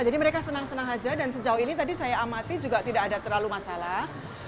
jadi mereka senang senang saja dan sejauh ini tadi saya amati juga tidak ada terlalu masalah